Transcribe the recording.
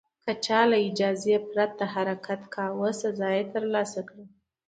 که څوک له اجازې پرته حرکت کاوه، سزا یې ترلاسه کړه.